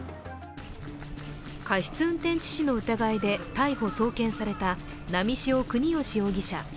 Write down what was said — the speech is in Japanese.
過失運転致死の疑いで逮捕・送検された波汐國芳容疑者